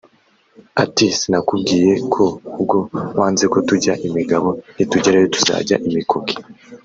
Ati “Sinakubwiye ko ubwo wanze ko tujya imigabo nitugerayo tuzajya imikoke